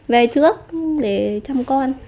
về trước để chăm con